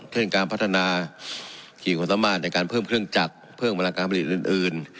เช่นการพัฒนาขีดความสามารถในการเพิ่มเครื่องจักรเพิ่มเวลาการผลิตอื่น